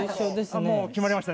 もう決まりましたね。